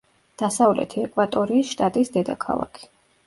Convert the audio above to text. დასავლეთი ეკვატორიის შტატის დედაქალაქი.